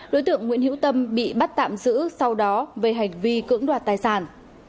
đối tượng nguyễn hữu tâm bị bắt tạm giữ sau đó về hành vi cưỡng đoạt tài sản